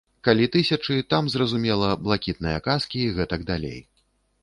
Калі тысячы, там зразумела, блакітныя каскі і гэтак далей.